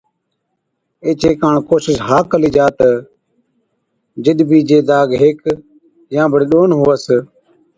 ايڇي ڪاڻ ڪوشش ها ڪلِي جا تہ جِڏ بِي جي داگ هيڪ يان بڙي ڏون هُوَس